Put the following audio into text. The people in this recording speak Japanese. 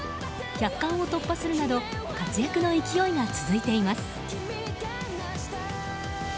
１００冠を突破するなど活躍の勢いが続いています。